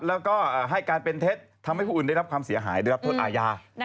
แล้วก็ให้การเป็นเท็จทำให้ผู้อื่นได้รับความเสียหายได้รับโทษอาญา